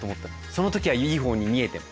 その時はいいほうに見えても。